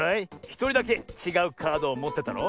ひとりだけちがうカードをもってたろ？